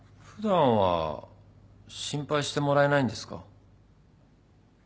普段は心配してもらえないんですか？